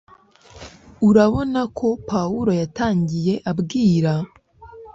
urabona ko pawulo yatangiye abwira